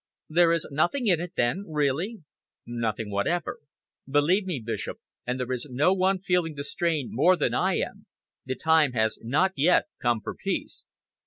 "There is nothing in it, then, really?" "Nothing whatever. Believe me, Bishop and there is no one feeling the strain more than I am the time has not yet come for peace."